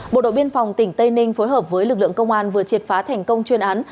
bộ đội biên phòng tỉnh tây ninh phối hợp với lực lượng công an vừa triệt phá thành công chuyên án